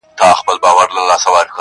!!د خدای د پاره کابل مه ورانوی!!